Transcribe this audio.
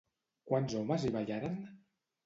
Quants homes hi ballaren?